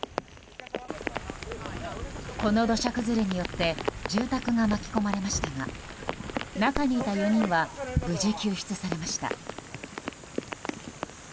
この土砂崩れによって住宅が巻き込まれましたが中にいた４人は無事救出されました。